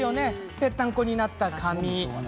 ぺったんこになた髪。